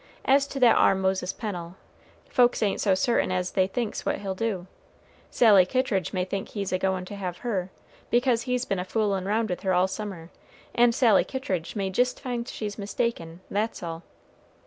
As to that ar Moses Pennel, folks ain't so certain as they thinks what he'll do. Sally Kittridge may think he's a goin' to have her, because he's been a foolin' round with her all summer, and Sally Kittridge may jist find she's mistaken, that's all."